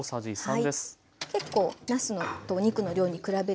はい。